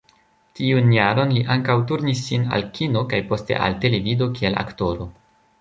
Tiun jaron li ankaŭ turnis sin al kino kaj poste al televido kiel aktoro.